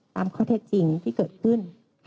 ตามขนาดจริงที่เกิดขึ้น